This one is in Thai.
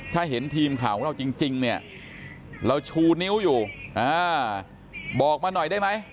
ถ้าเห็นทีมข่าวของเราจริงเนี่ยเราชูนิ้วอยู่บอกมาหน่อยได้ไหม